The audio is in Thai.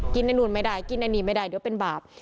กินไว้นู่นไม่ได้กินไว้คือเป็นบาป